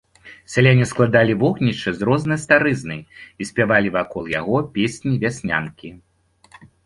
Сяляне складалі вогнішча з рознай старызны і спявалі вакол яго песні-вяснянкі.